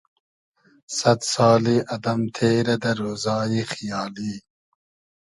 سئد سالی ادئم تېرۂ دۂ رۉزای خیالی